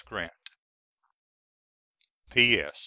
GRANT. P.S.